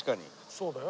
そうだよ。